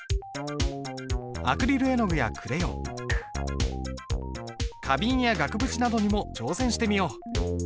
アクリル絵の具やクレヨン花瓶や額縁などにも挑戦してみよう。